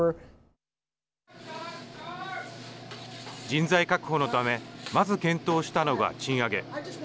人材確保のためまず検討したのが賃上げ。